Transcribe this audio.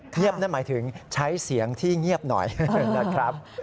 นั่นหมายถึงใช้เสียงที่เงียบหน่อยนะครับ